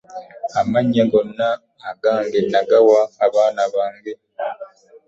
Amannya gonna agange nagawa abaana bange.